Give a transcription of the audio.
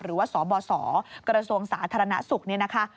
หรือว่าสบสกระทรวงสาธารณสุขเนี่ยนะคะ